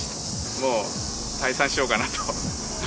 もう退散しようかなと。